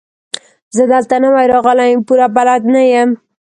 زه دلته نوی راغلی يم، پوره بلد نه يم.